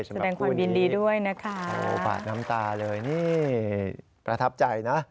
แสดงความยินดีด้วยนะคะโอ้โหปาดน้ำตาเลยนี่ประทับใจนะ